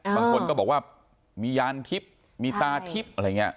บางคนก็บอกว่ามียานทิพย์มีตาทิพย์อะไรอย่างนี้